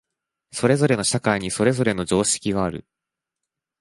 それぞれの社会にそれぞれの常識がある。